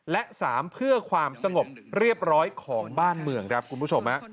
และ๓เพื่อความสงบเรียบร้อยของบ้านเมืองครับคุณผู้ชม